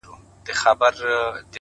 اخلاص د بریالۍ اړیکې روح دی’